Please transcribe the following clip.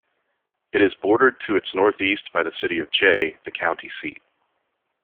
It is bordered to its northeast by the city of Jay, the county seat.